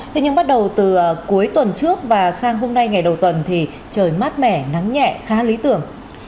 thế nhưng bắt đầu từ cuối tuần trước và sang hôm nay ngày đầu tuần thì trời mát mẻ nắng nhẹ khá lý tưởng